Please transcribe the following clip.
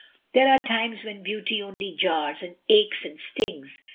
There are times when beauty only jars, and aches, and stings.